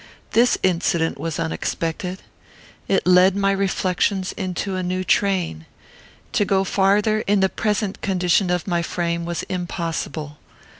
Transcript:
This incident was unexpected. It led my reflections into a new train. To go farther, in the present condition of my frame, was impossible.